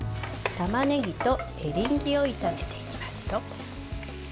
たまねぎとエリンギを炒めていきますよ。